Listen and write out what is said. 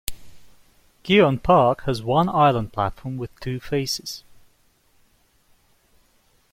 Keon Park has one island platform with two faces.